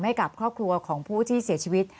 ให้กับครอบครัวของผู้ที่เสียชีวิต